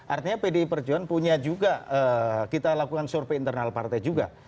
artinya pdi perjuangan punya juga kita lakukan survei internal partai juga